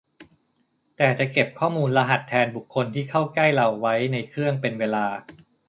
แต่จะเก็บข้อมูลรหัสแทนบุคคลที่เข้าใกล้เราไว้ในเครื่องเป็นเวลา